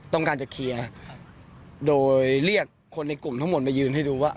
ต้องการจะเคลียร์โดยเรียกคนในกลุ่มทั้งหมดมายืนให้ดูว่า